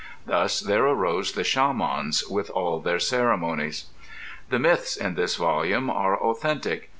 Thus there arose the shamans with all their ceremonies. The myths in this volume are authentic.